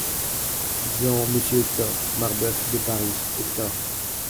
Lisant. "Monsieur Hector Marbeuf… de Paris." Hector.